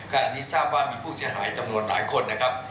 ขณะนี้ทราบว่ามีผู้เสียหายจำนวนหลายคนนะครับ